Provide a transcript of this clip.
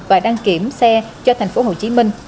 và đăng kiểm xe cho tp hcm